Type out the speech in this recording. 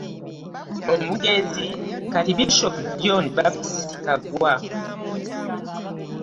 Omugenzi kati Bisoopu John Baptist Kaggwa